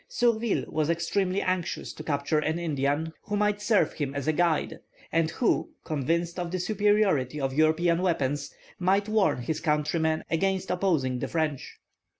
"] Surville was extremely anxious to capture an Indian, who might serve him as a guide, and who, convinced of the superiority of European weapons, might warn his countrymen against opposing the French.